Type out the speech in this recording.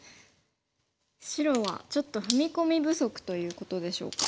白はちょっと踏み込み不足ということでしょうか。